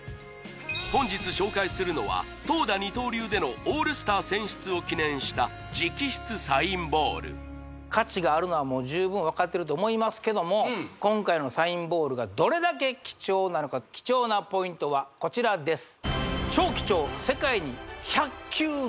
本日紹介するのは投打二刀流でのオールスター選出を記念した直筆サインボール価値があるのはもう十分分かってると思いますけども今回のサインボールがどれだけ貴重なのか貴重なポイントはこちらです